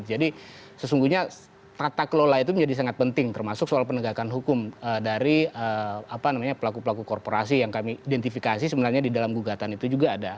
jadi sesungguhnya tata kelola itu menjadi sangat penting termasuk soal penegakan hukum dari pelaku pelaku korporasi yang kami identifikasi sebenarnya di dalam gugatan itu juga ada